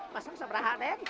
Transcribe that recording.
pasang sabra raden